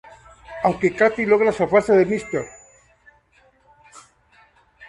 Aunque Katie logra zafarse de Mr.